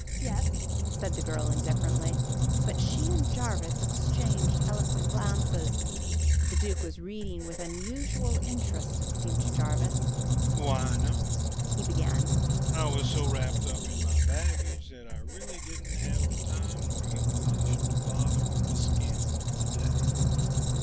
"Yes," said the girl indifferently; but she and Jarvis exchanged eloquent glances. The Duke was reading with unusual interest, it seemed to Jarvis. "Why, no..." he began. "I was so wrapped up in my baggage that I really didn't have the time nor inclination to bother with the scandal of the day.